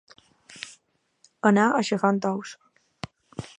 Anar aixafant ous.